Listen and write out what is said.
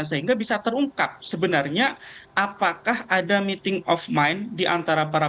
sehingga bisa terungkap sebenarnya apakah ada meeting of mind di antara pihak pihak